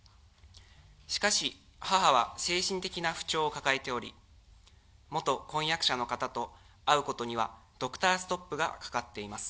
しかし母は精神的な不調を抱えており、元婚約者の方と会うことにはドクターストップがかかっております。